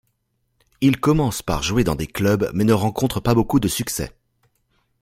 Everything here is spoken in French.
Ils commencent par jouer dans des clubs mais ne rencontrent pas beaucoup de succès.